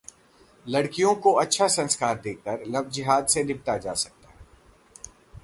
'लड़कियों को अच्छे संस्कार देकर लव जेहाद से निपटा जा सकता है'